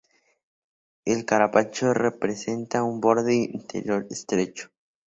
El carapacho presenta un borde anterior estrecho.